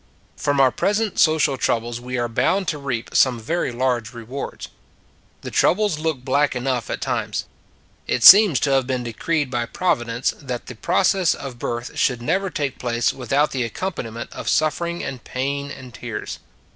From our present social troubles we are bound to reap some very large rewards. The troubles look black enough at times. It seems to have been decreed by Provi dence that the process of birth should never take place without the accompaniment of suffering and pain and tears.